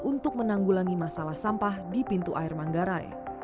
untuk menanggulangi masalah sampah di pintu air manggarai